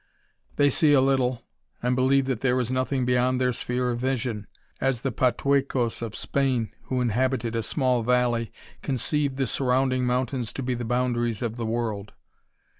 They see a little, and believe that there is 'oQiing beyond llieir sphere of vision, as the Patuecos *r Spain, who inhabited a small valley, conceived the 'Irrounding mountains to be the boundaries of the world.